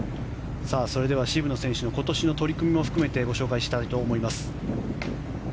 それでは渋野選手の今年の取り組みも含めてご紹介したいと思います。